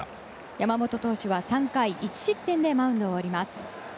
山本投手は１失点でマウンドを降ります。